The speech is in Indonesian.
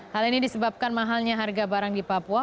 hal ini disebabkan mahalnya harga barang di papua